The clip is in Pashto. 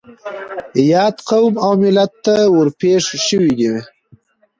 ياد قوم او ملت ته ور پېښ شوي وي.